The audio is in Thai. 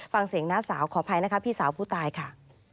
ฟังเสียงน้าสาวขออภัยนะคะพี่สาวผู้ตายค่ะ